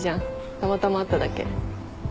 たまたま会っただけ。